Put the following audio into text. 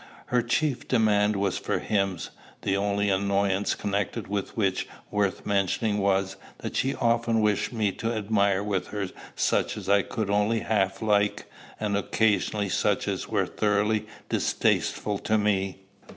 Her chief demand was for hymns, the only annoyance connected with which worth mentioning was, that she often wished me to admire with her such as I could only half like, and occasionally such as were thoroughly distasteful to me.